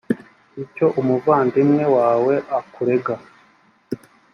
icyo umuvandimwe wawe akurega